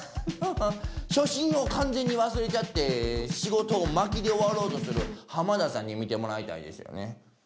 ハハハ初心を完全に忘れちゃって仕事を巻きで終わろうとする浜田さんに見てもらいたいですよね。